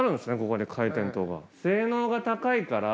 ここに回転灯が。